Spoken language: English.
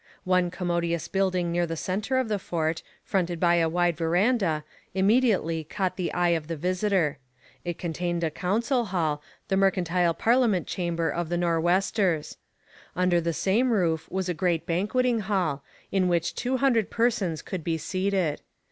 One commodious building near the centre of the fort, fronted by a wide verandah, immediately caught the eye of the visitor. It contained a council hall, the mercantile parliament chamber of the Nor'westers. Under the same roof was a great banqueting hall, in which two hundred persons could be seated.